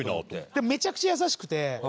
でもめちゃくちゃ優しくて。